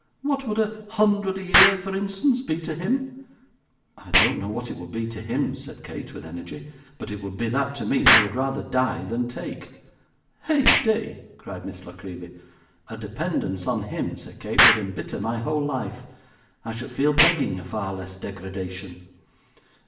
What would a hundred a year for instance, be to him?' 'I don't know what it would be to him,' said Kate, with energy, 'but it would be that to me I would rather die than take.' 'Heyday!' cried Miss La Creevy. 'A dependence upon him,' said Kate, 'would embitter my whole life. I should feel begging a far less degradation.